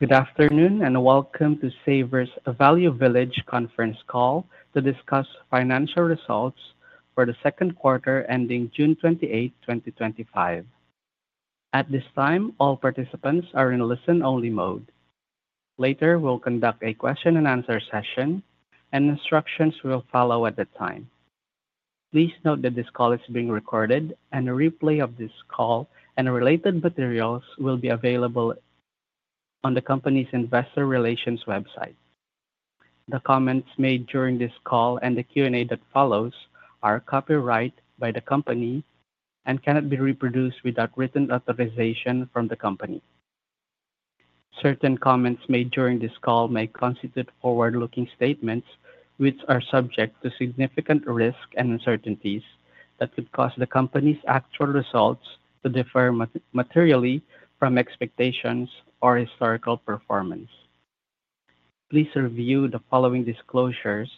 Good afternoon and welcome to the Savers Value Village conference call to discuss financial results for the second quarter ending June 28, 2025. At this time, all participants are in listen-only mode. Later, there will be a question-and-answer session with instructions provided at that time. Please note that this call is being recorded, and a replay along with related materials will be available on the company’s investor relations website. Comments made during this call and the Q&A are copyrighted by the company and cannot be reproduced without written authorization. Certain comments may constitute forward-looking statements and are subject to risks and uncertainties that could cause actual results to differ materially from expectations or historical performance. Please review the following disclosures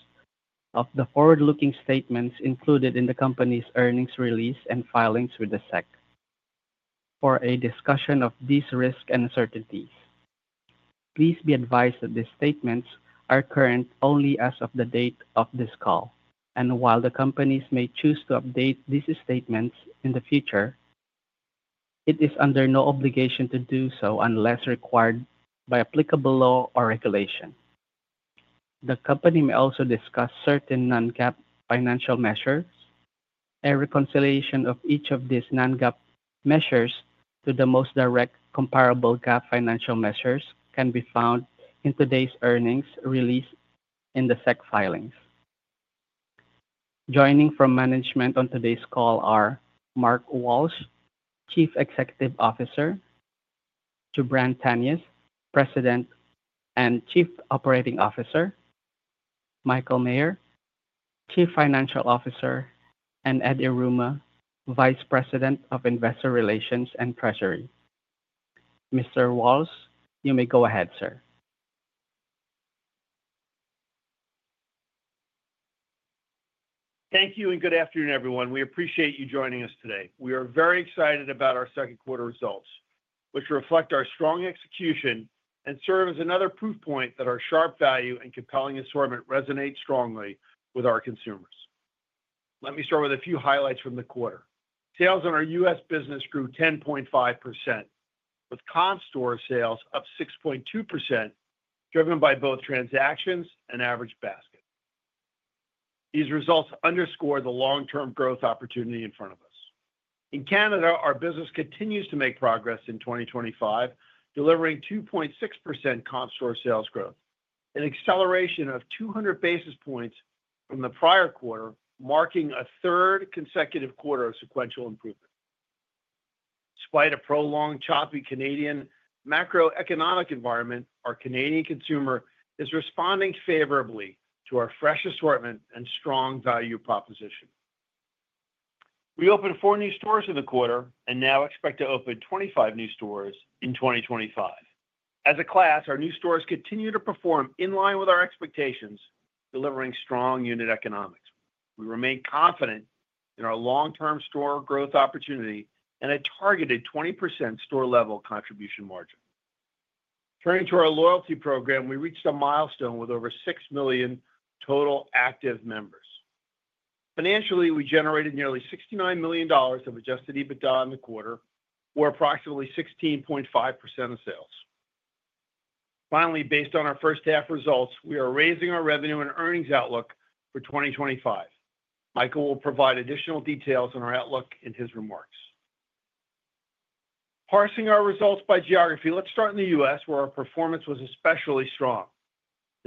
of the forward-looking statements included in the company's earnings release and filings with the SEC for a discussion of these risks and uncertainties. These statements are current only as of the date of this call, and while the company may choose to update them in the future, it is under no obligation to do so unless required by applicable law or regulation. The company may also discuss certain non-GAAP financial measures, and a reconciliation of each of these non-GAAP measures to the most directly comparable GAAP financial measures can be found in today's earnings release and the SEC filings. Joining management on this call are Mark Walsh, Chief Executive Officer; Jubran Tanious, President and Chief Operating Officer; Michael Maher, Chief Financial Officer; and Ed Aruma, Vice President of Investor Relations and Treasury. Mr. Walsh, you may go ahead, sir. Thank you and good afternoon, everyone. We appreciate you joining us today. We are very excited about our second-quarter results, which reflect our strong execution and serve as another proof point that our sharp value and compelling assortment resonates strongly with our consumers. Let me start with a few highlights from the quarter. Sales in our U.S. business grew 10.5%, with comparable store sales up 6.2%, driven by both transactions and average basket. These results underscore the long-term growth opportunity ahead of us. In Canada, our business continues to make progress in 2025, delivering 2.6% comparable store sales growth, an acceleration of 200 basis points from the prior quarter, marking a third consecutive quarter of sequential improvement. Despite a prolonged, choppy Canadian macroeconomic environment, our Canadian consumers are responding favorably to our fresh assortment and strong value proposition. We opened four new stores in the quarter and now expect to open 25 new stores in 2025. As a group, our new stores continue to perform in line with our expectations, delivering strong unit economics. We remain confident in our long-term store growth opportunity and a targeted 20% store-level contribution margin. Turning to our loyalty program, we reached a milestone with over 6 million total active members. Financially, we generated nearly $69 million of Adjusted EBITDA in the quarter, or approximately 16.5% of sales. Finally, based on our first-half results, we are raising our revenue and earnings outlook for 2025. Michael will provide additional details on our outlook in his remarks. Parsing our results by geography, let's start in the U.S., where our performance was especially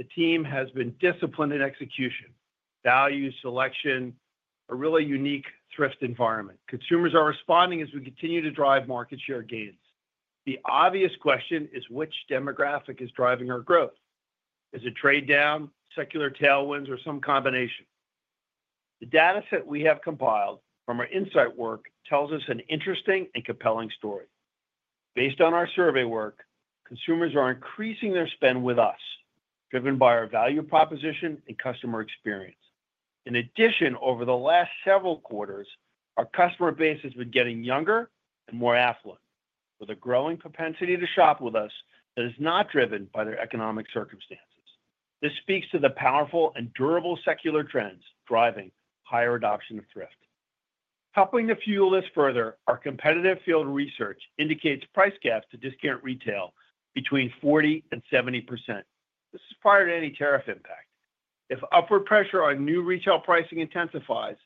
strong. The team has been disciplined in execution. Value selection remains a really unique thrift environment. Consumers are responding as we continue to drive market share gains. The obvious question is which demographic is driving our growth trade down, secular tailwinds, or some combination? The data we have compiled from our insight work tells an interesting and compelling story. Based on our survey work, consumers are increasing their spend with us, driven by our value proposition and customer experience. In addition, over the last several quarters, our customer base has been getting younger and more affluent, with a growing propensity to shop with us that is not driven by economic circumstances. This speaks to the powerful and durable secular trends driving higher adoption of thrift. Helping to fuel this further, our competitive field research indicates price gaps to discount retail between 40% and 70%, prior to any tariff impact. If upward pressure on new retail pricing intensifies,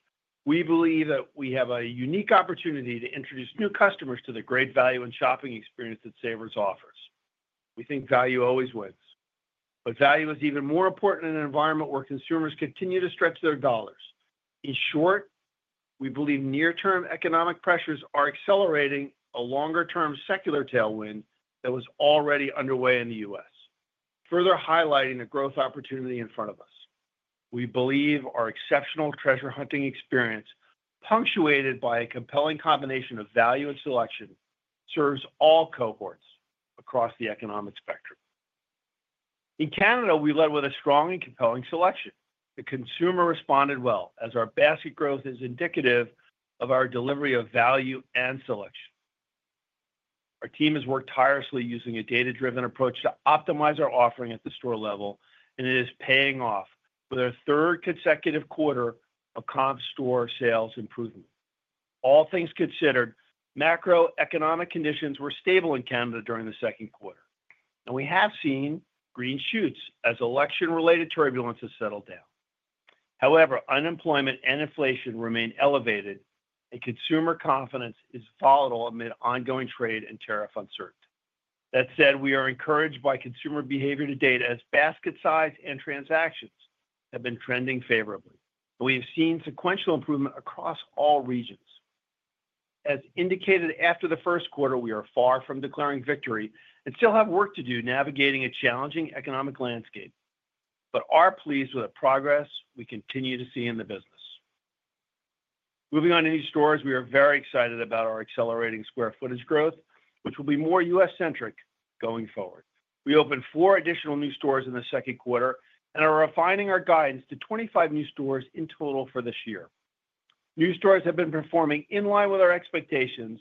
we believe we have a unique opportunity to introduce new customers to the great value and shopping experience Savers Value Village offers. Value always wins, but it is even more important in an environment where consumers continue to stretch their dollars. In short, near-term economic pressures are accelerating a longer-term secular tailwind that was already underway in the U.S., further highlighting the growth opportunity in front of us. Our exceptional treasure hunting experience, punctuated by a compelling combination of value and selection, serves all cohorts across the economic spectrum. In Canada, we led with a strong and compelling selection. Consumers responded well, as basket growth is indicative of our delivery of value and selection. Our team has worked tirelessly using a data-driven approach to optimize our offering at the store level, paying off with our third consecutive quarter of comparable store sales improvement. All things considered, macroeconomic conditions were stable in Canada during Q2, and we have seen green shoots as election-related turbulence settled down. However, unemployment and inflation remain elevated, and consumer confidence is volatile amid ongoing trade and tariff uncertainty. That said, we are encouraged by consumer behavior to date as basket size and transactions have trended favorably, and we have seen sequential improvement across all regions. As indicated after Q1, we are far from declaring victory and still have work to do navigating a challenging economic landscape, but we are pleased with the progress we continue to see. Moving on to new stores, we are excited about our accelerating square footage growth, which will be more U.S.-centric going forward. We opened four additional stores in Q2 and are refining guidance to 25 new stores in total for this year. New stores have performed in line with our expectations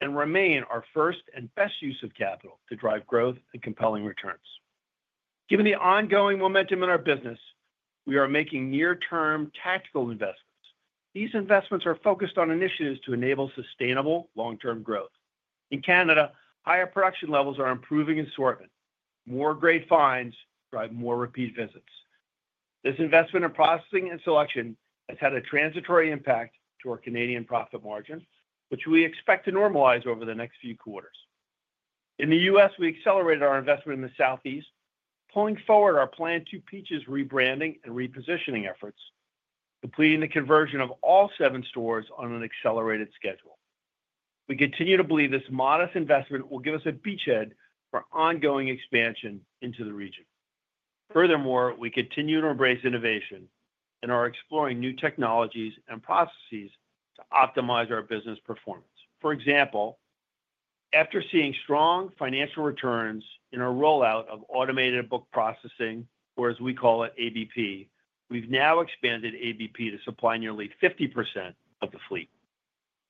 and remain our first and best use of capital to drive growth and compelling returns. Given the ongoing momentum, we are making near-term tactical investments focused on initiatives to enable sustainable long-term growth. In Canada, higher production levels are improving assortment. More great finds drive more repeat visits. This investment in processing and selection has had a transitory impact on Canadian profit margin, which we expect to normalize over the next few quarters. In the U.S., we accelerated our investment in the Southeast, moving forward with the Two Peaches rebranding and repositioning efforts, completing conversion of all seven stores on an accelerated schedule. We believe this modest investment will provide a beachhead for ongoing expansion in the region. Additionally, we continue to embrace innovation, exploring new technologies and processes to optimize business performance. For example, After seeing strong financial returns from our rollout of Automated book processing (ABP), we've expanded ABP to supply nearly 50% of the fleet.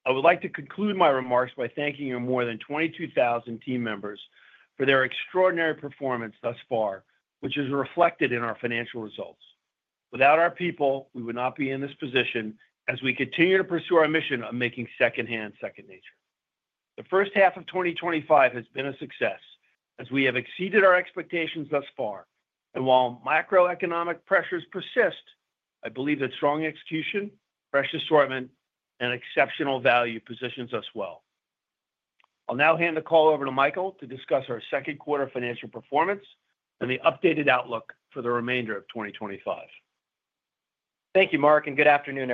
I want to conclude by thanking our more than 22,000 team members for their extraordinary performance so far, which is reflected in our financial results. Without our people, we would not be in this position as we pursue our mission of making second-hand second nature. H1 2025 has been a success, exceeding our expectations, and while macroeconomic pressures persist, strong execution, fresh assortment, and exceptional value position us well. I will now hand the call over to Michael to discuss Q2 financial performance and the updated outlook for the remainder of 2025. Thank you, Mark, and good afternoon.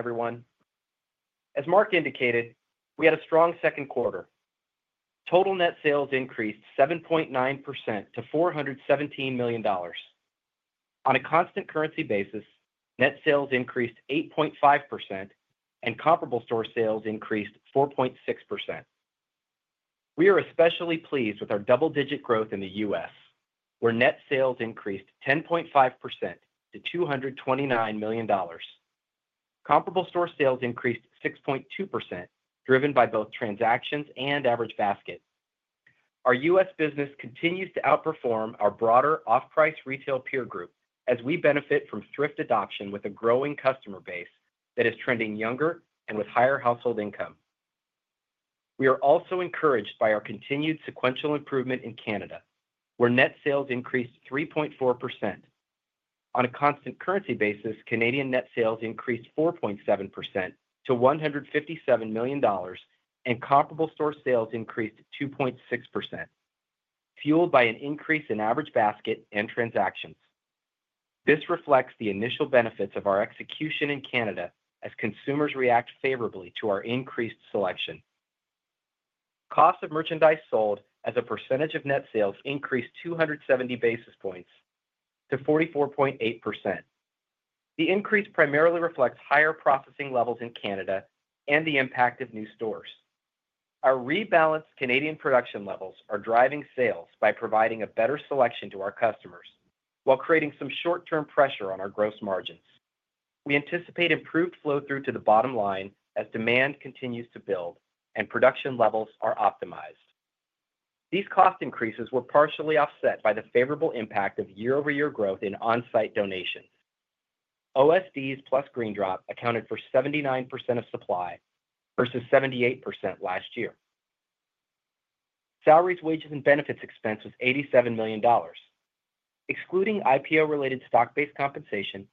As Mark noted, we had a strong Q2. Total net sales rose 7.9% to $417 million. On a constant currency basis, net sales increased 8.5% and comparable store sales rose 4.6%. We are especially pleased with double-digit growth in the U.S., where net sales increased 10.5% to $229 million. Comparable store sales rose 6.2%, driven by both transactions and average basket. The U.S. business continues to outperform the broader off-price retail peer group, benefiting from thrift adoption with a growing customer base that is younger and has higher household income. We are also encouraged by sequential improvement in Canada, where net sales increased 3.4%. On a constant currency basis, Canadian net sales rose 4.7% to $157 million, and comparable store sales increased 2.6%, fueled by higher average basket and transactions. Financially, we generated nearly $69 million of Adjusted EBITDA in the quarter. This reflects the initial benefits of our execution in Canada, as consumers reacted favorably to increased selection. Cost of merchandise sold as a percentage of net sales rose 270 basis points to 44.8%, primarily due to higher processing levels in Canada and the impact of new stores. Rebalanced Canadian production levels are driving sales by providing better selection to customers, while creating some short-term pressure on gross margins. We anticipate improved flow through to the bottom line as demand builds and production levels are optimized. These cost increases were partially offset by year-over-year growth in On-site donations (OSDs) plus GreenDrop…, which accounted for 79% of supply versus 78% last year. Salaries, wages, and benefits totaled $87 million. Excluding IPO-related stock-based compensation,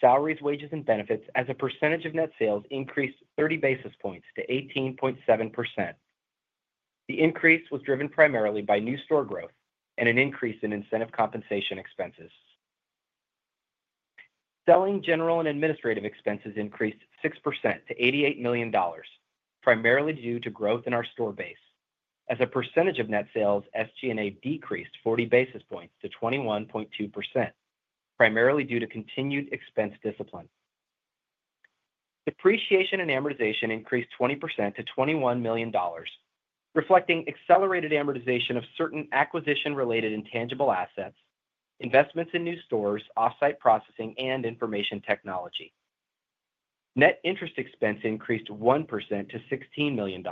salaries, wages, and benefits as a percentage of net sales increased 30 basis points to 18.7%. The increase was driven primarily by new store growth and an increase in incentive compensation expenses. Selling, general, and administrative expenses increased 6% to $88 million, primarily due to growth in our store base. As a percentage of net sales, SG&A decreased 40 basis points to 21.2%, primarily due to continued expense discipline. Depreciation and amortization increased 20% to $21 million, reflecting accelerated amortization of certain acquisition-related intangible assets, investments in new stores, off-site processing, and information technology. Net interest expense increased 1% to $16 million,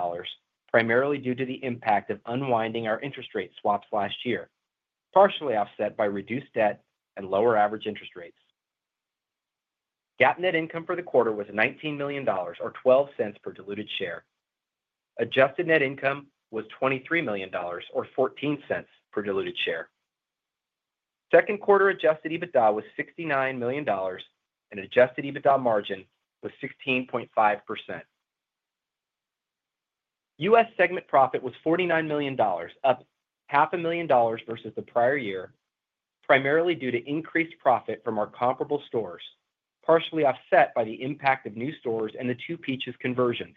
primarily due to the impact of unwinding our interest rate swaps last year, partially offset by reduced debt and lower average interest rates. GAAP net income for the quarter was $19 million, or $0.12 per diluted share. Adjusted net income was $23 million, or $0.14 per diluted share. Second quarter adjusted EBITDA was $69 million, and adjusted EBITDA margin was 16.5%. U.S. segment profit was $49 million, up half a million dollars versus the prior year, primarily due to increased profit from our comparable stores, partially offset by the impact of new stores and the Two Peaches conversions.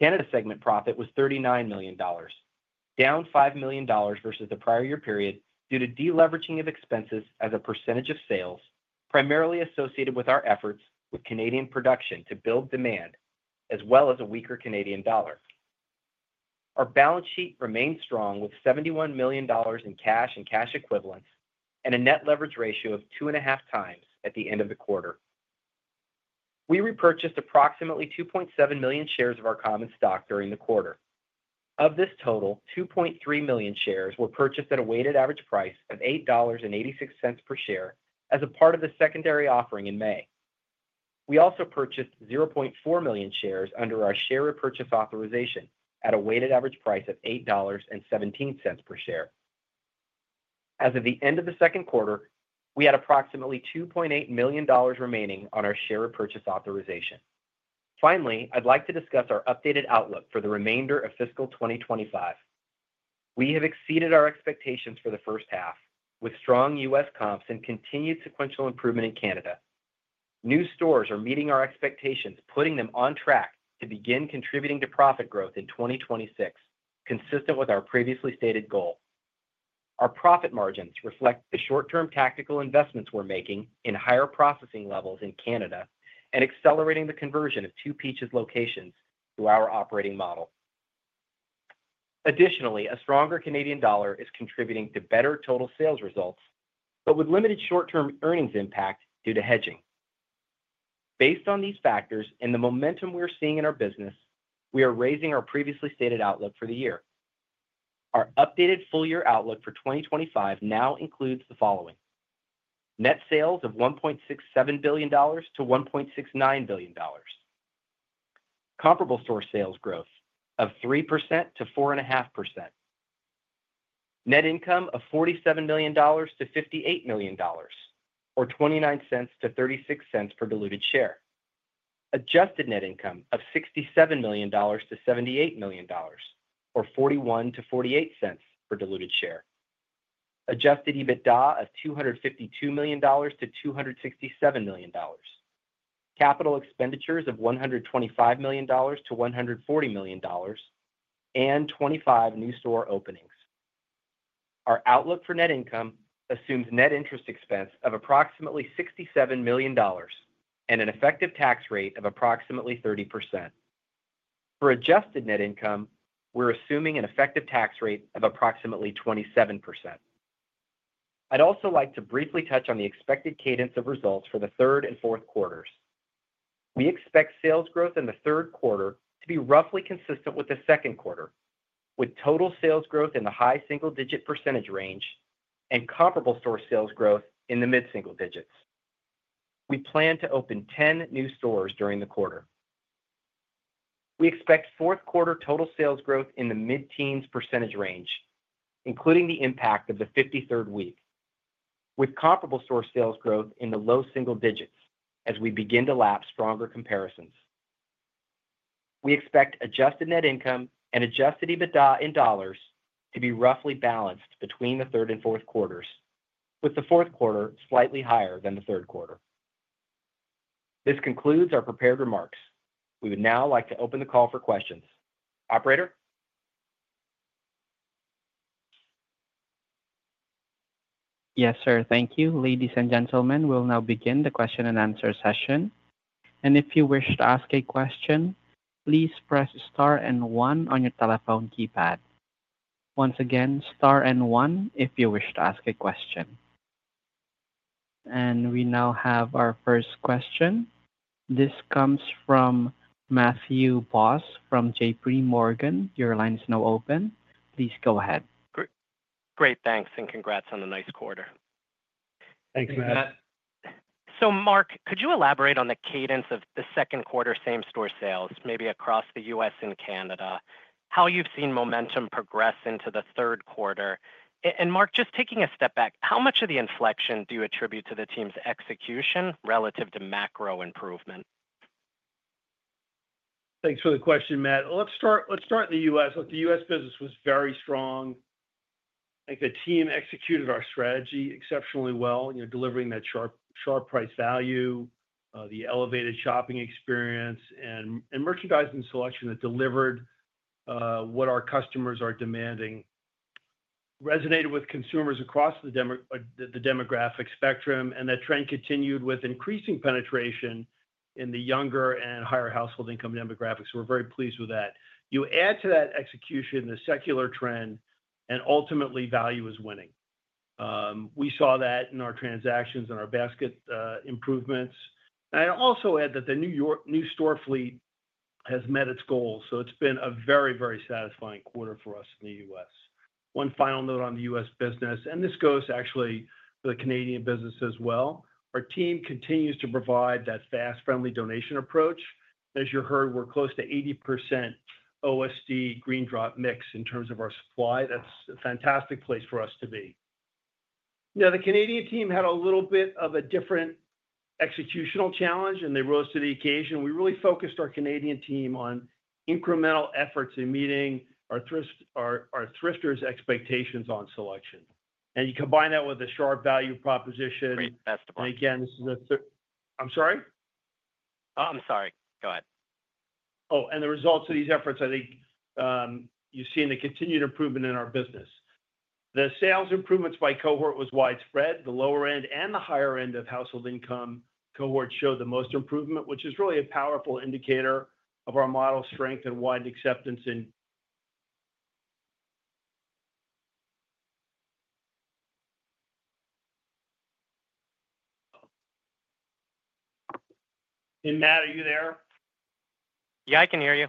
Canada segment profit was $39 million, down $5 million versus the prior year period due to deleveraging of expenses as a percentage of sales, primarily associated with our efforts with Canadian production to build demand, as well as a weaker Canadian dollar. Our balance sheet remains strong with $71 million in cash and cash equivalents and a net leverage ratio of 2.5 times at the end of the quarter. We repurchased approximately 2.7 million shares of our common stock during the quarter. Of this total, 2.3 million shares were purchased at a weighted average price of $8.86 per share as a part of the secondary offering in May. We also purchased 0.4 million shares under our share purchase authorization at a weighted average price of $8.17 per share. As of the end of the second quarter, we had approximately $2.8 million remaining on our share purchase authorization. Finally, I'd like to discuss our updated outlook for the remainder of fiscal 2025. We have exceeded our expectations for the first half, with strong U.S. comps and continued sequential improvement in Canada. New stores are meeting our expectations, putting them on track to begin contributing to profit growth in 2026, consistent with our previously stated goal. Our profit margins reflect the short-term tactical investments we're making in higher processing levels in Canada and accelerating the conversion of Two Peaches locations to our operating model. Additionally, a stronger Canadian dollar is contributing to better total sales results, but with limited short-term earnings impact due to hedging. Based on these factors and the momentum we're seeing in our business, we are raising our previously stated outlook for the year. Our updated full-year outlook for 2025 now includes the following: Net sales of $1.67 billion to $1.69 billion, comparable store sales growth of 3% to 4.5%, net income of $47 million to $58 million, or $0.29 to $0.36 per diluted share, adjusted net income of $67 million to $78 million, or $0.41 to $0.48 per diluted share, Adjusted EBITDA of $252 million to $267 million, capital expenditures of $125 million to $140 million, and 25 new store openings. Our outlook for net income assumes net interest expense of approximately $67 million and an effective tax rate of approximately 30%. For adjusted net income, we're assuming an effective tax rate of approximately 27%. I'd also like to briefly touch on the expected cadence of results for the third and fourth quarters. We expect sales growth in the third quarter to be roughly consistent with the second quarter, with total sales growth in the high single-digit % range and comparable store sales growth in the mid-single digits. We plan to open 10 new stores during the quarter. We expect fourth quarter total sales growth in the mid-teens % range, including the impact of the 53rd week, with comparable store sales growth in the low single digits as we begin to lapse stronger comparisons. We expect adjusted net income and adjusted EBITDA in dollars to be roughly balanced between the third and fourth quarters, with the fourth quarter slightly higher than the third quarter. This concludes our prepared remarks. We would now like to open the call for questions. Operator? Yes, sir. Thank you. Ladies and gentlemen, we'll now begin the question and answer session. If you wish to ask a question, please press star and one on your telephone keypad. Once again, star and one if you wish to ask a question. We now have our first question. This comes from Matthew Boss from J.P. Morgan. Your line is now open. Please go ahead. Great, thanks and congrats on the nice quarter. Thanks, Matt. Mark, could you elaborate on the cadence of the second quarter same store sales, maybe across the U.S. and Canada, how you've seen momentum progress into the third quarter? Mark, just taking a step back, how much of the inflection do you attribute to the team's execution relative to macro improvement? Thanks for the question, Matt. Let's start in the U.S. The U.S. business was very strong. I think the team executed our strategy exceptionally well, delivering that sharp price value, the elevated shopping experience, and merchandise and selection that delivered what our customers are demanding resonated with consumers across the demographic spectrum, and that trend continued with increasing penetration in the younger and higher household income demographics. We're very pleased with that. You add to that execution the secular trend, and ultimately value is winning. We saw that in our transactions and our basket improvements. I'd also add that the new store fleet has met its goals, so it's been a very, very satisfying quarter for us in the U.S. One final note on the U.S. business, and this goes actually for the Canadian business as well. Our team continues to provide that FAST-friendly donation approach. As you heard, we're close to 80% on-site donations GreenDrop mix in terms of our supply. That's a fantastic place for us to be. The Canadian team had a little bit of a different executional challenge, and they rose to the occasion. We really focused our Canadian team on incremental efforts in meeting our thrifters' expectations on selection. You combine that with a sharp value proposition. That's the point. This is the third. I'm sorry? Oh, I'm sorry. Go ahead. Oh, the results of these efforts, I think you've seen a continued improvement in our business. The sales improvements by cohort was widespread. The lower end and the higher end of household income cohorts showed the most improvement, which is really a powerful indicator of our model strength and wide acceptance. Hey, Matt, are you there? Yeah, I can hear you.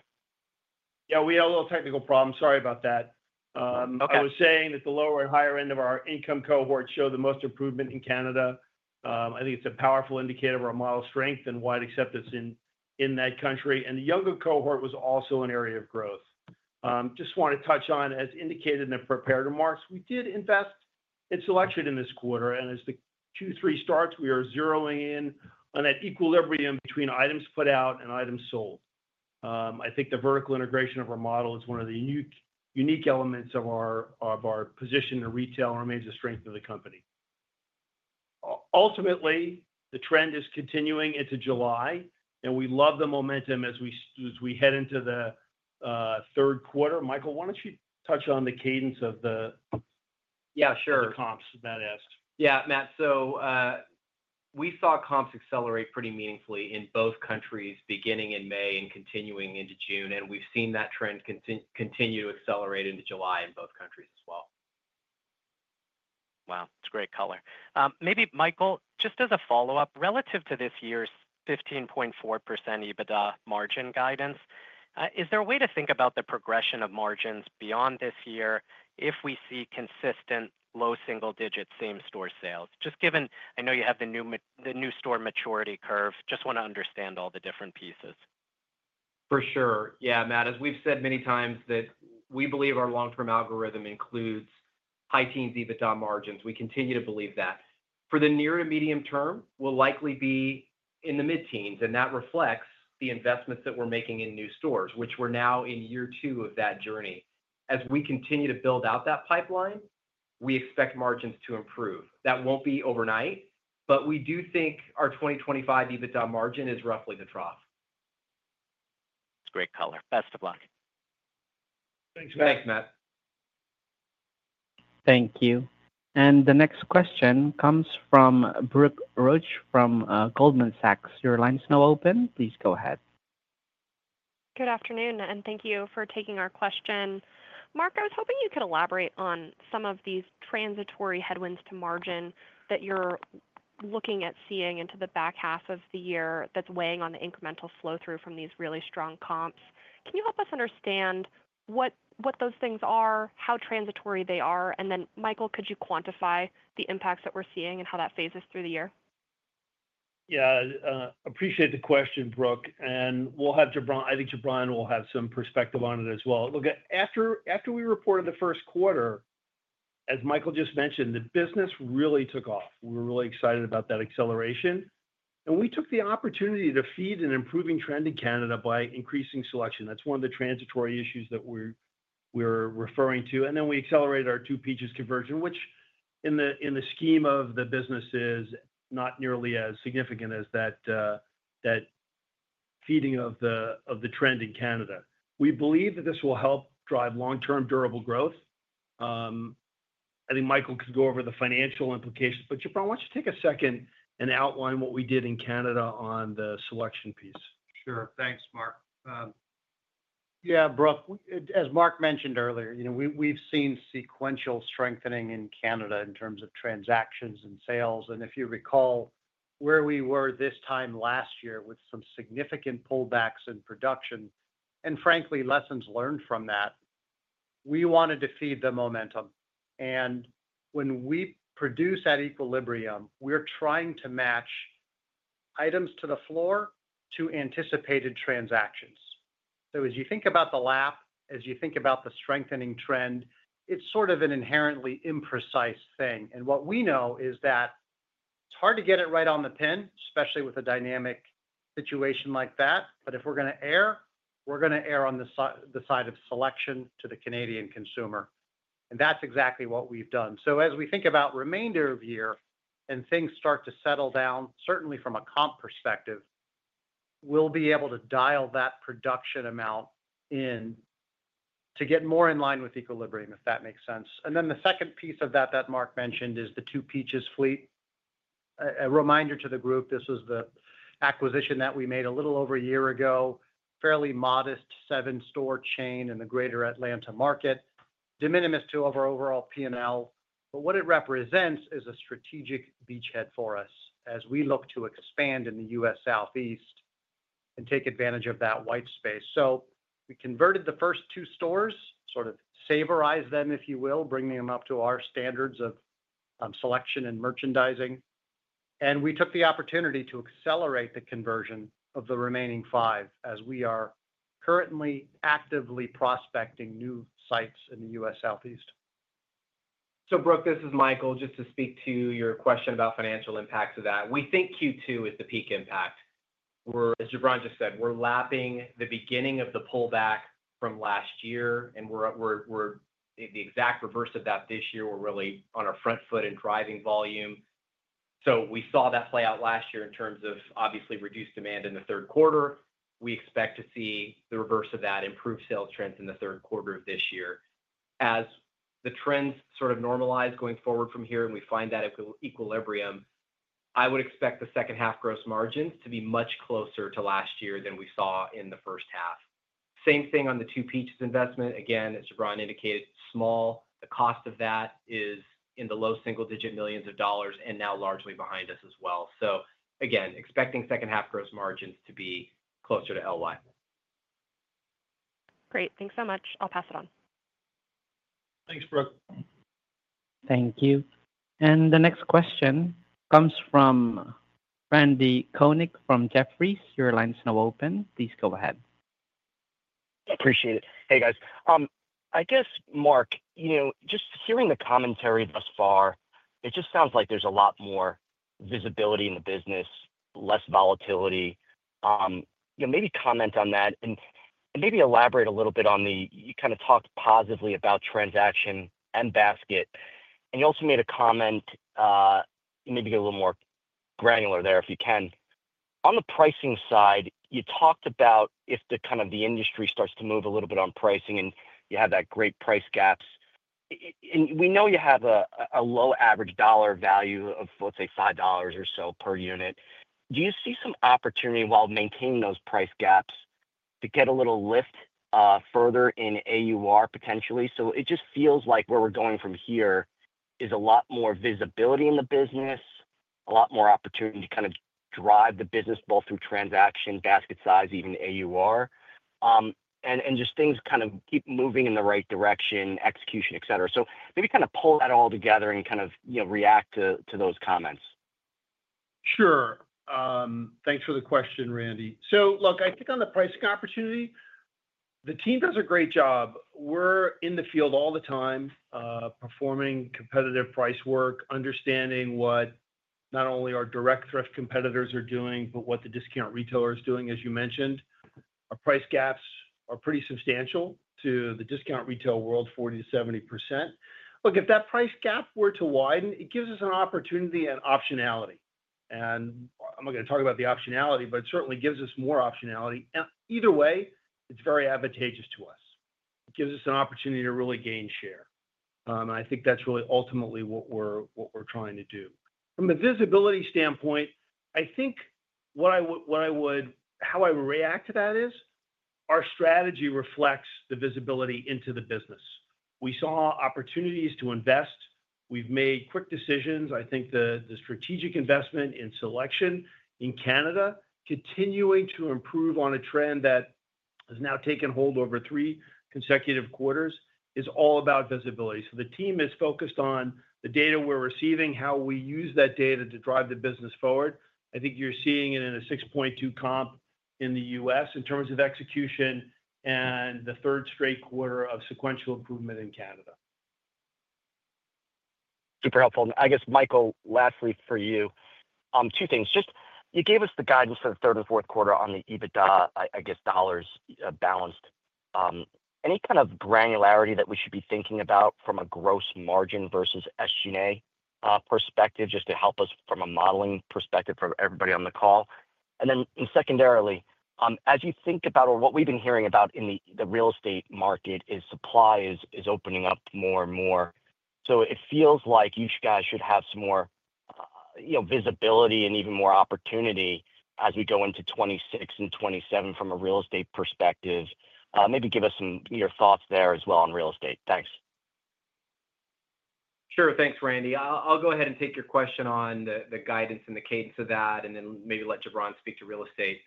Yeah, we had a little technical problem. Sorry about that. Okay. I was saying that the lower and higher end of our income cohorts showed the most improvement in Canada. I think it's a powerful indicator of our model strength and wide acceptance in that country. The younger cohort was also an area of growth. As indicated in the prepared remarks, we did invest in selection in this quarter, and as the Q3 starts, we are zeroing in on that equilibrium between items put out and items sold. I think the vertical integration of our model is one of the unique elements of our position in retail and remains a strength of the company. Ultimately, the trend is continuing into July, and we love the momentum as we head into the third quarter. Michael, why don't you touch on the cadence of the. Yeah, sure. Comps Matt asked? Yeah, Matt. We saw comps accelerate pretty meaningfully in both countries beginning in May and continuing into June, and we've seen that trend continue to accelerate into July in both countries as well. Wow, it's a great color. Maybe, Michael, just as a follow-up relative to this year's 15.4% adjusted EBITDA margin guidance, is there a way to think about the progression of margins beyond this year if we see consistent low single-digit comparable store sales? Just given, I know you have the new store maturity curve, just want to understand all the different pieces. For sure. Yeah, Matt, as we've said many times, we believe our long-term algorithm includes high teens EBITDA margins. We continue to believe that. For the near to medium term, we'll likely be in the mid-teens, and that reflects the investments that we're making in new stores, which we're now in year two of that journey. As we continue to build out that pipeline, we expect margins to improve. That won't be overnight, but we do think our 2025 EBITDA margin is roughly the trough. It's a great color. Best of luck. Thanks, Matt. Thanks, Matt. Thank you. The next question comes from Brooke Roach from Goldman Sachs. Your line is now open. Please go ahead. Good afternoon, and thank you for taking our question. Mark, I was hoping you could elaborate on some of these transitory headwinds to margin that you're looking at seeing into the back half of the year that's weighing on the incremental flow through from these really strong comps. Can you help us understand what those things are, how transitory they are, and then, Michael, could you quantify the impacts that we're seeing and how that phases through the year? Yeah, I appreciate the question, Brooke, and we'll have Jubran, I think Jubran will have some perspective on it as well. Look, after we reported the first quarter, as Michael just mentioned, the business really took off. We were really excited about that acceleration, and we took the opportunity to feed an improving trend in Canada by increasing selection. That's one of the transitory issues that we're referring to. We accelerated our Two Peaches conversion, which in the scheme of the business is not nearly as significant as that feeding of the trend in Canada. We believe that this will help drive long-term durable growth. I think Michael could go over the financial implications, but Jubran, why don't you take a second and outline what we did in Canada on the selection piece? Sure, thanks, Mark. Yeah, Brooke, as Mark mentioned earlier, we've seen sequential strengthening in Canada in terms of transactions and sales, and if you recall where we were this time last year with some significant pullbacks in production and frankly lessons learned from that, we wanted to feed the momentum. When we produce that equilibrium, we're trying to match items to the floor to anticipated transactions. As you think about the lap, as you think about the strengthening trend, it's sort of an inherently imprecise thing. What we know is that it's hard to get it right on the pin, especially with a dynamic situation like that, but if we're going to err, we're going to err on the side of selection to the Canadian consumer. That's exactly what we've done. As we think about the remainder of the year and things start to settle down, certainly from a comp perspective, we'll be able to dial that production amount in to get more in line with equilibrium, if that makes sense. The second piece of that that Mark mentioned is the Two Peaches fleet. A reminder to the group, this was the acquisition that we made a little over a year ago, fairly modest seven-store chain in the greater Atlanta market, de minimis to our overall P&L, but what it represents is a strategic beachhead for us as we look to expand in the U.S. Southeast and take advantage of that white space. We converted the first two stores, sort of savorized them, if you will, bringing them up to our standards of selection and merchandising, and we took the opportunity to accelerate the conversion of the remaining five as we are currently actively prospecting new sites in the U.S. Southeast. Brooke, this is Michael, just to speak to your question about financial impact to that. We think Q2 is the peak impact. As Jubran just said, we're lapping the beginning of the pullback from last year, and we're the exact reverse of that this year. We're really on our front foot and driving volume. We saw that play out last year in terms of obviously reduced demand in the third quarter. We expect to see the reverse of that, improved sales trends in the third quarter of this year. As the trends sort of normalize going forward from here and we find that equilibrium, I would expect the second half gross margins to be much closer to last year than we saw in the first half. Same thing on the Two Peaches investment. Again, as Jubran indicated, small, the cost of that is in the low single digit millions of dollars and now largely behind us as well. Again, expecting second half gross margins to be closer to last year. Great, thanks so much. I'll pass it on. Thanks, Brooke. Thank you. The next question comes from Randy Konik from Jefferies. Your line is now open. Please go ahead. Appreciate it. Hey, guys. I guess, Mark, just hearing the commentary thus far, it sounds like there's a lot more visibility in the business, less volatility. Maybe comment on that and elaborate a little bit on the, you kind of talked positively about transaction and basket, and you also made a comment, maybe get a little more granular there if you can. On the pricing side, you talked about if the industry starts to move a little bit on pricing and you have that great price gaps, and we know you have a low average dollar value of, let's say, $5 or so per unit. Do you see some opportunity while maintaining those price gaps to get a little lift further in AUR potentially? It just feels like where we're going from here is a lot more visibility in the business, a lot more opportunity to drive the business both through transaction, basket size, even AUR, and things kind of keep moving in the right direction, execution, et cetera. Maybe pull that all together and react to those comments. Sure. Thanks for the question, Randy. Look, I think on the pricing opportunity, the team does a great job. We're in the field all the time, performing competitive price work, understanding what not only our direct thrift competitors are doing, but what the discount retailer is doing, as you mentioned. Our price gaps are pretty substantial to the discount retail world, 40 to 70%. If that price gap were to widen, it gives us an opportunity and optionality. I'm not going to talk about the optionality, but it certainly gives us more optionality. Either way, it's very advantageous to us. It gives us an opportunity to really gain share. I think that's really ultimately what we're trying to do. From a visibility standpoint, how I would react to that is our strategy reflects the visibility into the business. We saw opportunities to invest. We've made quick decisions. I think the strategic investment in selection in Canada, continuing to improve on a trend that has now taken hold over three consecutive quarters, is all about visibility. The team is focused on the data we're receiving, how we use that data to drive the business forward. I think you're seeing it in a 6.2% comp in the U.S. in terms of execution and the third straight quarter of sequential improvement in Canada. Super helpful. Michael, lastly for you, two things. You gave us the guidance for the third and fourth quarter on the EBITDA, dollars balanced. Any kind of granularity that we should be thinking about from a gross margin versus SG&A perspective, just to help us from a modeling perspective for everybody on the call? Secondarily, as you think about or what we've been hearing about in the real estate market is supply is opening up more and more. It feels like you guys should have some more visibility and even more opportunity as we go into 2026 and 2027 from a real estate perspective. Maybe give us some of your thoughts there as well on real estate. Thanks. Sure, thanks, Randy. I'll go ahead and take your question on the guidance and the cadence of that, and then maybe let Jubran speak to real estate.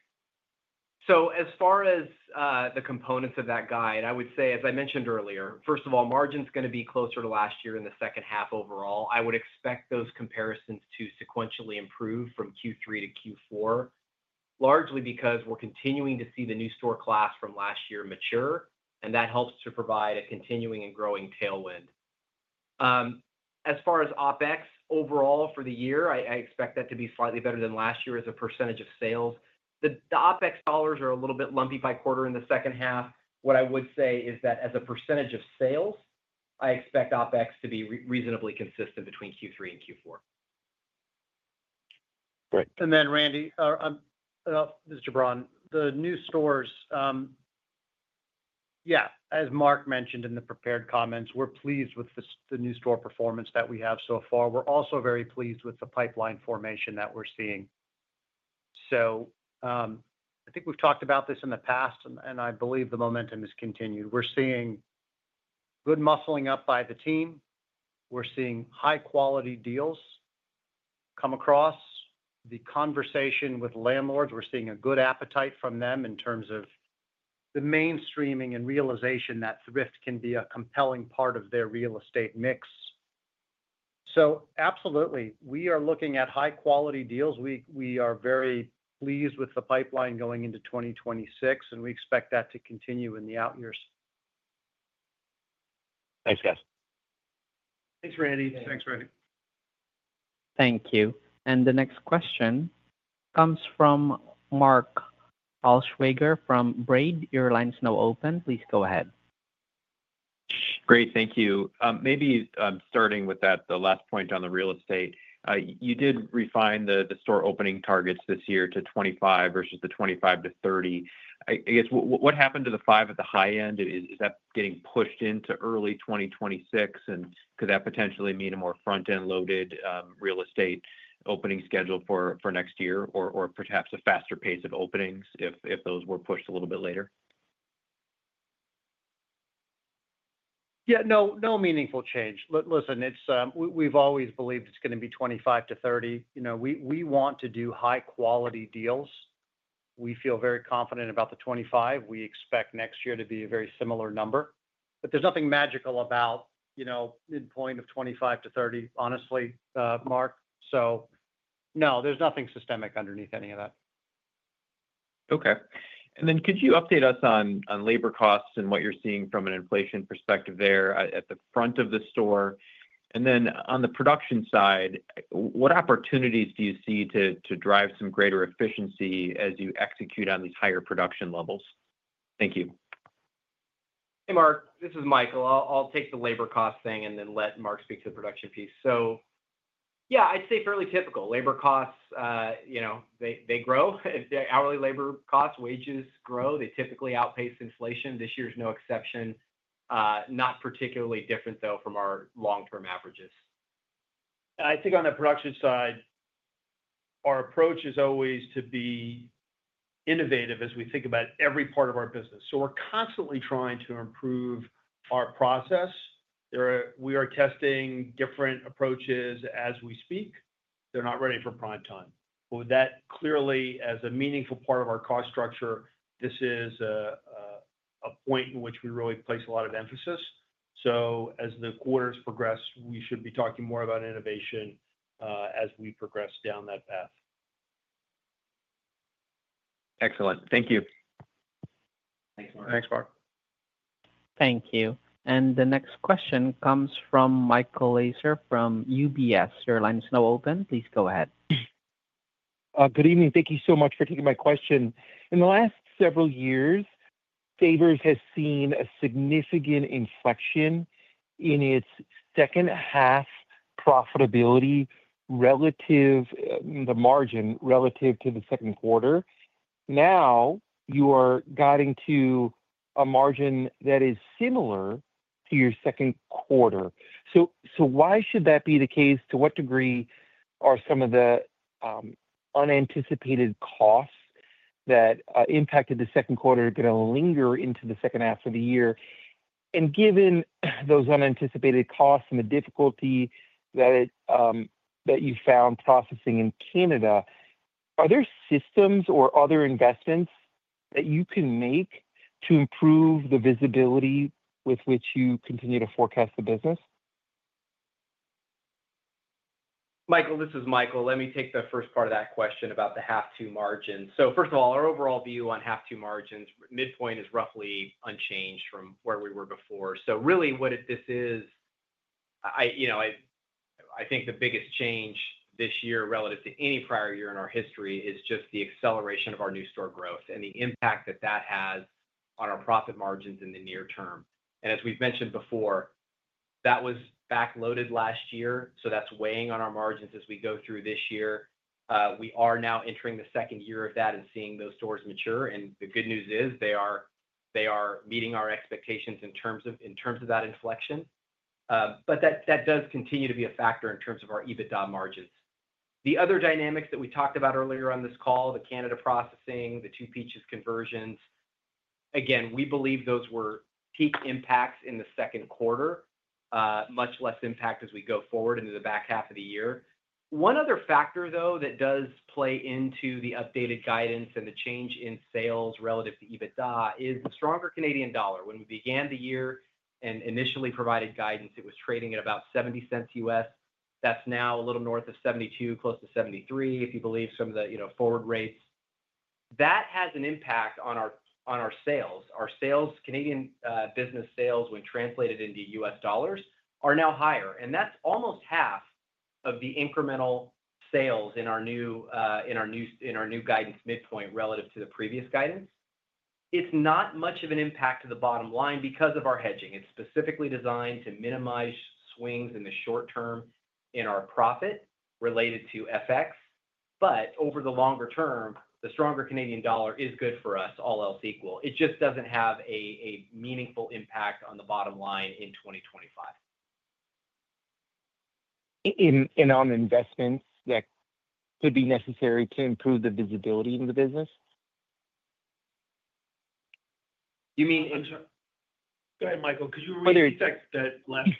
As far as the components of that guide, I would say, as I mentioned earlier, first of all, margin's going to be closer to last year in the second half overall. I would expect those comparisons to sequentially improve from Q3 to Q4, largely because we're continuing to see the new store class from last year mature, and that helps to provide a continuing and growing tailwind. As far as OpEx overall for the year, I expect that to be slightly better than last year as a percentage of sales. The OpEx dollars are a little bit lumpy by quarter in the second half. What I would say is that as a percentage of sales, I expect OpEx to be reasonably consistent between Q3 and Q4. Great. Randy, the new stores, as Mark mentioned in the prepared comments, we're pleased with the new store performance that we have so far. We're also very pleased with the pipeline formation that we're seeing. I think we've talked about this in the past, and I believe the momentum has continued. We're seeing good muscling up by the team. We're seeing high-quality deals come across. The conversation with landlords, we're seeing a good appetite from them in terms of the mainstreaming and realization that thrift can be a compelling part of their real estate mix. Absolutely, we are looking at high-quality deals. We are very pleased with the pipeline going into 2026, and we expect that to continue in the out years. Thanks, guys. Thanks, Randy. Thank you. The next question comes from Mark Altschwager from Baird. Your line is now open. Please go ahead. Great, thank you. Maybe starting with that, the last point on the real estate, you did refine the store opening targets this year to 25 versus the 25 to 30. I guess, what happened to the five at the high end? Is that getting pushed into early 2026, and could that potentially mean a more front-end loaded real estate opening schedule for next year, or perhaps a faster pace at openings if those were pushed a little bit later? No meaningful change. Listen, we've always believed it's going to be 25 to 30. We want to do high-quality deals. We feel very confident about the 25. We expect next year to be a very similar number. There is nothing magical about, you know, midpoint of 25 to 30, honestly, Mark. No, there's nothing systemic underneath any of that. Okay. Could you update us on labor costs and what you're seeing from an inflation perspective there at the front of the store? On the production side, what opportunities do you see to drive some greater efficiency as you execute on these higher production levels? Thank you. Hey, Mark, this is Michael. I'll take the labor cost thing and then let Mark speak to the production piece. I'd say fairly typical labor costs, you know, they grow. Hourly labor costs, wages grow. They typically outpace inflation. This year's no exception. Not particularly different though from our long-term averages. I think on the production side, our approach is always to be innovative as we think about every part of our business. We're constantly trying to improve our process. We are testing different approaches as we speak. They're not ready for prime time. That clearly, as a meaningful part of our cost structure, is a point in which we really place a lot of emphasis. As the quarters progress, we should be talking more about innovation as we progress down that path. Excellent. Thank you. Thanks, Mark. Thanks, Mark. Thank you. The next question comes from Michael Lasser from UBS. Your line is now open. Please go ahead. Good evening. Thank you so much for taking my question. In the last several years, Savers Value Village has seen a significant inflection in its second half profitability relative to the margin relative to the second quarter. Now you are guiding to a margin that is similar to your second quarter. Why should that be the case? To what degree are some of the unanticipated costs that impacted the second quarter going to linger into the second half of the year? Given those unanticipated costs and the difficulty that you found processing in Canada, are there systems or other investments that you can make to improve the visibility with which you continue to forecast the business? Michael, this is Michael. Let me take the first part of that question about the half-two margin. First of all, our overall view on half-two margins, midpoint is roughly unchanged from where we were before. What this is, I think the biggest change this year relative to any prior year in our history is just the acceleration of our new store growth and the impact that has on our profit margins in the near term. As we've mentioned before, that was backloaded last year, so that's weighing on our margins as we go through this year. We are now entering the second year of that and seeing those stores mature, and the good news is they are meeting our expectations in terms of that inflection. That does continue to be a factor in terms of our EBITDA margins. The other dynamics that we talked about earlier on this call, the Canada processing, the Two Peaches conversions, again, we believe those were peak impacts in the second quarter, much less impact as we go forward into the back half of the year. One other factor that does play into the updated guidance and the change in sales relative to EBITDA is the stronger Canadian dollar. When we began the year and initially provided guidance, it was trading at about $0.70 U.S. That's now a little north of $0.72, close to $0.73, if you believe some of the forward rates. That has an impact on our sales. Our sales, Canadian business sales, when translated into U.S. dollars, are now higher, and that's almost half of the incremental sales in our new guidance midpoint relative to the previous guidance. It's not much of an impact to the bottom line because of our hedging. It's specifically designed to minimize swings in the short term in our profit related to FX. Over the longer term, the stronger Canadian dollar is good for us, all else equal. It just doesn't have a meaningful impact on the bottom line in 2025. Are there investments that could be necessary to improve the visibility in the business? You mean? Go ahead, Michael. Could you read the text that left?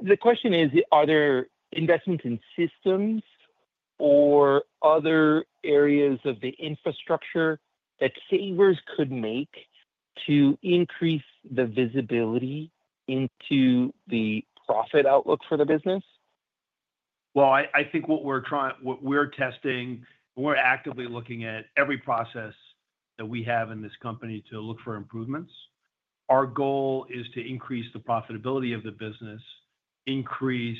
The question is, are there investments in systems or other areas of the infrastructure that Savers Value Village could make to increase the visibility into the profit outlook for the business? I think what we're trying, what we're testing, we're actively looking at every process that we have in this company to look for improvements. Our goal is to increase the profitability of the business, increase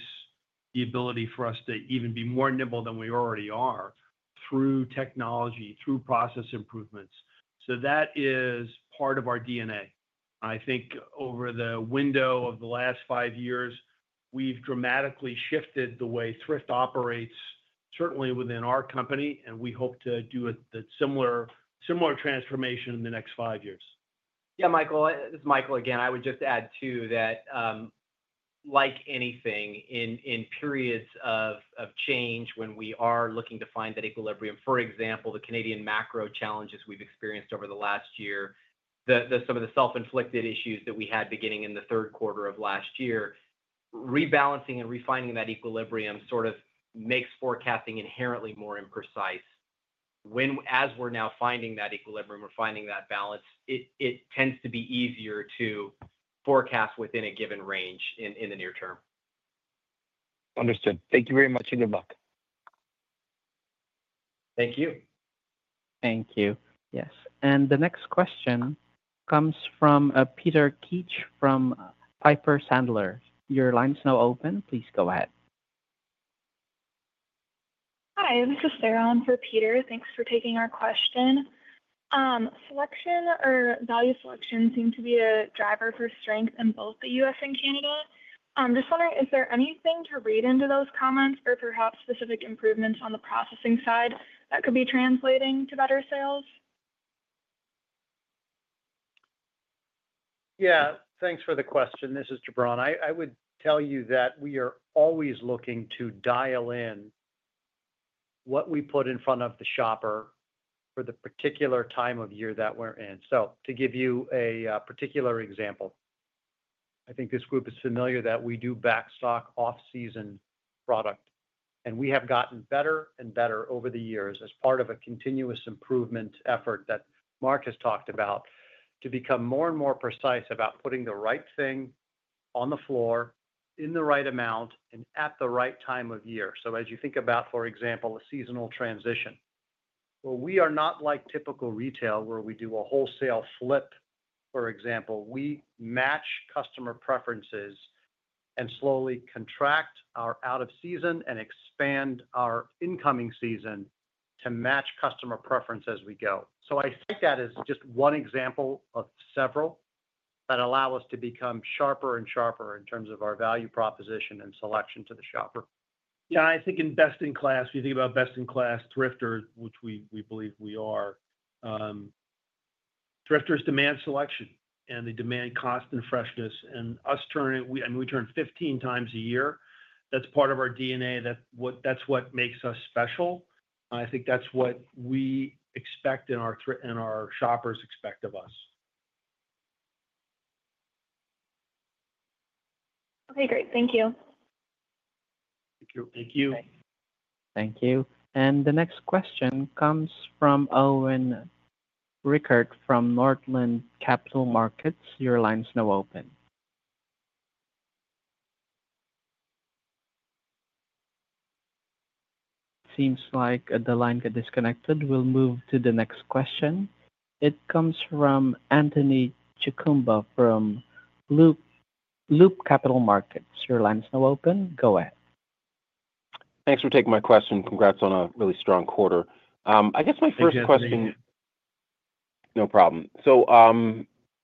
the ability for us to even be more nimble than we already are through technology, through process improvements. That is part of our DNA. I think over the window of the last five years, we've dramatically shifted the way thrift operates, certainly within our company, and we hope to do a similar transformation in the next five years. Yeah, Michael, this is Michael again. I would just add too that, like anything, in periods of change when we are looking to find that equilibrium, for example, the Canadian macro challenges we've experienced over the last year, some of the self-inflicted issues that we had beginning in the third quarter of last year, rebalancing and refining that equilibrium makes forecasting inherently more imprecise. As we're now finding that equilibrium, we're finding that balance, it tends to be easier to forecast within a given range in the near term. Understood. Thank you very much. Thank you. Thank you. Yes. The next question comes from Peter Keith from Piper Sandler. Your line is now open. Please go ahead. Hi, this is Sarah on for Peter. Thanks for taking our question. Selection or value selection seemed to be a driver for strength in both the U.S. and Canada. I'm just wondering, is there anything to read into those comments or perhaps specific improvements on the processing side that could be translating to better sales? Yeah, thanks for the question. This is Jubran. I would tell you that we are always looking to dial in what we put in front of the shopper for the particular time of year that we're in. To give you a particular example, I think this group is familiar that we do backstock off-season product, and we have gotten better and better over the years as part of a continuous improvement effort that Mark has talked about to become more and more precise about putting the right thing on the floor in the right amount and at the right time of year. As you think about, for example, a seasonal transition, we are not like typical retail where we do a wholesale flip, for example. We match customer preferences and slowly contract our out-of-season and expand our incoming season to match customer preference as we go. I think that is just one example of several that allow us to become sharper and sharper in terms of our value proposition and selection to the shopper. Yeah. I think in best-in-class, when you think about best-in-class thrifters, which we believe we are, thrifters demand selection, they demand cost and freshness. Us turning, I mean, we turn 15 times a year. That's part of our DNA. That's what makes us special. I think that's what we expect and our shoppers expect of us. Okay, great. Thank you. Thank you. Thank you. The next question comes from Owen Rickert from Northland Capital Markets. Your line is now open. It seems like the line got disconnected. We'll move to the next question. It comes from Anthony Chukumba from Loop Capital Markets. Your line is now open. Go ahead. Thanks for taking my question. Congrats on a really strong quarter. I guess my first question. Thank you. No problem.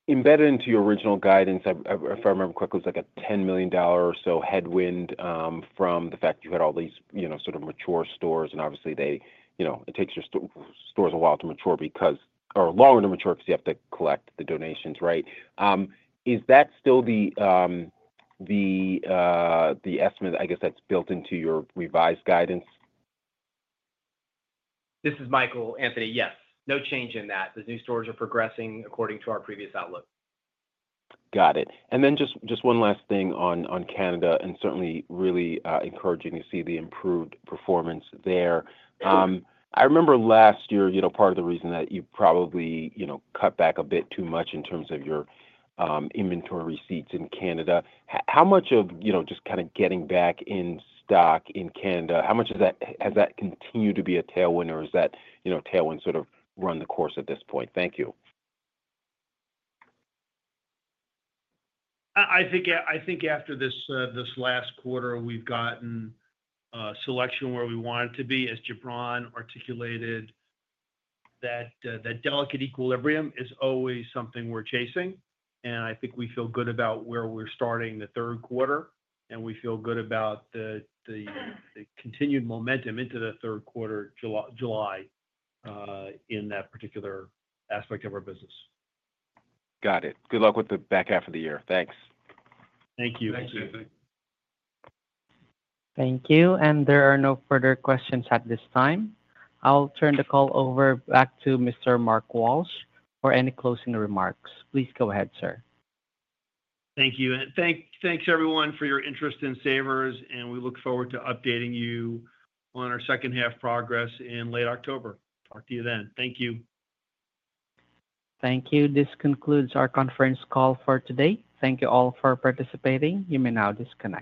Embedded into your original guidance, if I remember correctly, it was like a $10 million or so headwind from the fact you had all these, you know, sort of mature stores. Obviously, they, you know, it takes your stores a while to mature because or longer to mature because you have to collect the donations, right? Is that still the estimate, I guess, that's built into your revised guidance? This is Michael, Anthony. Yes, no change in that. The new stores are progressing according to our previous outlook. Got it. Just one last thing on Canada, and certainly really encouraging to see the improved performance there. I remember last year, part of the reason that you probably cut back a bit too much in terms of your inventory seats in Canada. How much of just kind of getting back in stock in Canada, how much has that continued to be a tailwind, or has that tailwind sort of run the course at this point? Thank you. I think after this last quarter, we've gotten a selection where we wanted to be. As Jubran articulated, that delicate equilibrium is always something we're chasing. I think we feel good about where we're starting the third quarter, and we feel good about the continued momentum into the third quarter, July, in that particular aspect of our business. Got it. Good luck with the back half of the year. Thanks. Thank you. Thank you. Thank you. There are no further questions at this time. I'll turn the call back to Mr. Mark Walsh for any closing remarks. Please go ahead, sir. Thank you. Thank you, everyone, for your interest in Savers Value Village. We look forward to updating you on our second half progress in late October. Talk to you then. Thank you. Thank you. This concludes our conference call for today. Thank you all for participating. You may now disconnect.